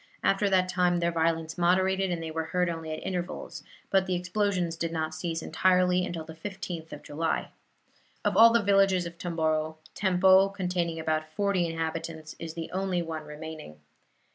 After that time their violence moderated, and they were heard only at intervals; but the explosions did not cease entirely until the 15th of July. Of all the villages of Tomboro, Tempo, containing about forty inhabitants, is the only one remaining.